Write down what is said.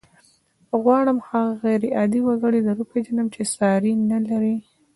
غواړم هغه غير عادي وګړی در وپېژنم چې ساری نه لري.